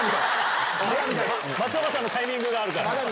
松岡さんのタイミングがあるから。